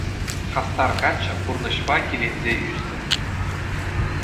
Хастар каччӑ пурнӑҫпа киленсе ӳснӗ.